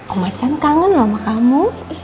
om achan kangen lho sama kamu